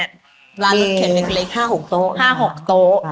มีห้าหกโต๊ะ